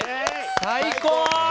最高！